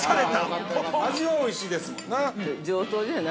◆味はおいしいですもんな。